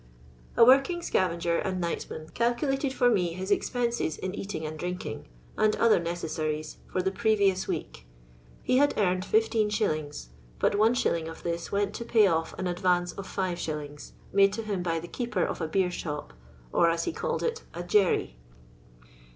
A working scavager and nightman calculated for me his expenses in eating and drinking, and other necessaries, for the previous week. He had earned 15<., but li. of this went to pay off an advance of 5$. made to him by the keeper of a beer shop, or, as he called it, a ''jerry."